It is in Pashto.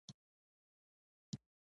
بیا خبر نشو، څه پرېکړه یې وکړه.